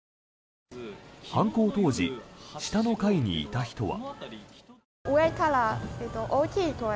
犯行当時、下の階にいた人は。